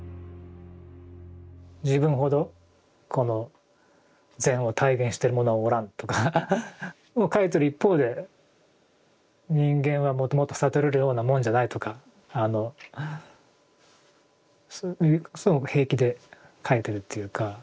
自分ほどこの禅を体現してる者はおらんとか書いてる一方で人間はもともと悟れるようなもんじゃないとかすごく平気で書いてるっていうか。